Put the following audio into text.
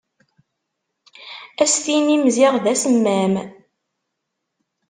Ad s-tinni-m ziɣ d asemmam.